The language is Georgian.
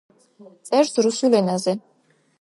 წერს რუსულ ენაზე.